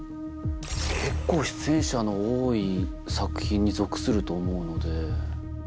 結構出演者の多い作品に属すると思うので。